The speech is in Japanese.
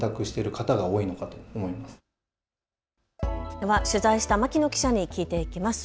では取材した牧野記者に聞いていきます。